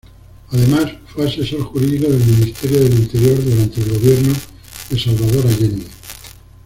Además, fue asesor jurídico del Ministerio del Interior durante el gobierno de Salvador Allende.